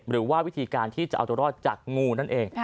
หรือว่าวิธีการที่จะเอาตัวรอดจากงูนั่นเอง